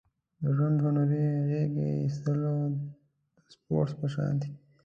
د ژوند هنر د غېږې اېستلو د سپورت په شان دی.